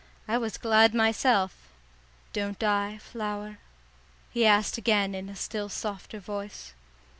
I was glad myself. "Don't I, Flower?" he asked again in a still softer voice.